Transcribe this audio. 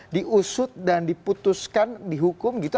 diusut dan diputuskan dihukum gitu